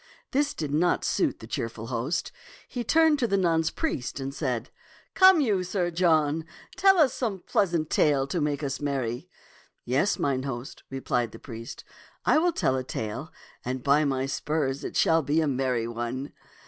This did not suit the cheerful host. He turned to the nun's priest and said, " Come, you Sir John, tell us some pleasant tale to make us merry." "Yes, mine host,'* replied the priest. "I will tell a tale, and, by my spurs, it shall be a merry one."